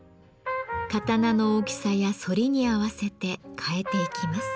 刀の大きさや反りに合わせて変えていきます。